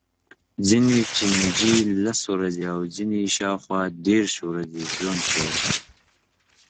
ځینې چینجي لس ورځې او ځینې یې شاوخوا دېرش ورځې ژوند کوي.